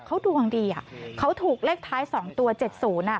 เขาดวงดีเขาถูกเลขท้ายสองตัวเจ็ดศูนย์